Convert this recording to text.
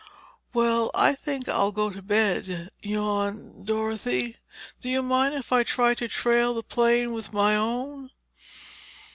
"Well, I think I'll go to bed," yawned Dorothy. "Do you mind if I try to trail that plane with my own?"